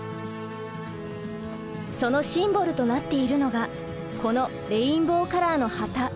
そのシンボルとなっているのがこのレインボーカラーの旗。